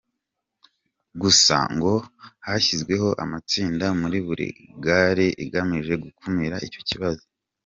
Gusa ngo hashyizweho amatsinda muri buri kagari agamije gukumira icyo kibazo.